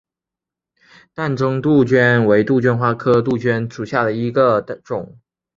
淡钟杜鹃为杜鹃花科杜鹃属下的一个种。